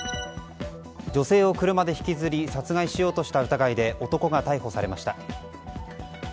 女性を車で引きずり殺害しようとした疑いで男が逮捕されました。